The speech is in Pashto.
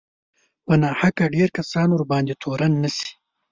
په ناحقه ډېر کسان ورباندې تورن نه شي